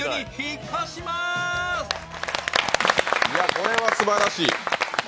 これはすばらしい。